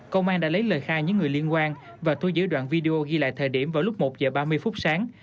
công an đã lấy lời khai những người liên quan và thu giữ đoạn video ghi lại thời điểm vào lúc một giờ ba mươi phút sáng